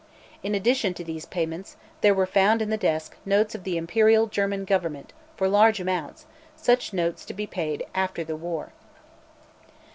In addition to these payments, there were found in the desk notes of the Imperial German Government, for large amounts, such notes to be paid 'after the war.'